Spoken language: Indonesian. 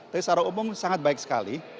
tapi secara umum sangat baik sekali